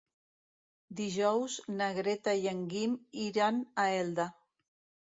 Dijous na Greta i en Guim iran a Elda.